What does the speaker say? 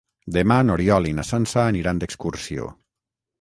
Demà n'Oriol i na Sança aniran d'excursió.